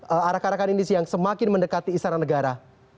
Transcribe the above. apakah arah arahkan ini yang semakin mendekati istana negara